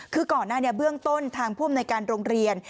คือก่อนหน้านี้เบื้องต้นทางผู้อำนวยการโรงเรียน